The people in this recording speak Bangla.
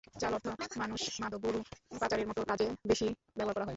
জাল অর্থ মানুষ, মাদক, গরু পাচারের মতো কাজে বেশি ব্যবহার করা হয়।